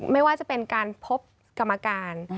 ไม่ว่าจะเป็นการพบกรรมการ